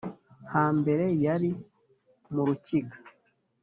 hambere yari mu rukiga,